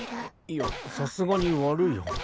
いやさすがに悪いよ。